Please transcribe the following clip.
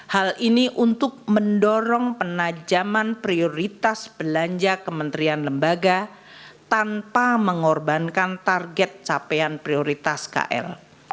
hal ini untuk mendorong penajaman prioritas belanja kementerian lembaga tanpa mengorbankan target capaian prioritas kl